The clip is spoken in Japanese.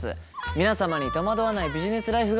皆様に戸惑わないビジネスライフが訪れますように。